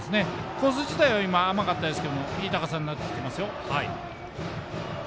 コース自体は今は甘かったですがいい高さになってきてますよ。